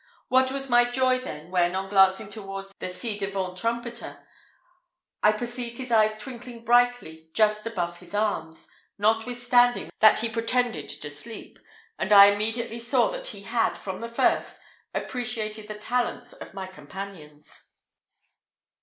What was my joy then, when, on glancing towards the ci devant trumpeter, I perceived his eyes twinkling brightly just above his arms, notwithstanding that he still pretended to sleep, and I immediately saw that he had, from the first, appreciated the talents of my companions.